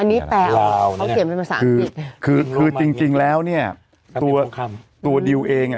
อันนี้แปลเขาเขียนเป็นภาษาคือคือจริงจริงแล้วเนี่ยตัวตัวดิวเองอ่ะ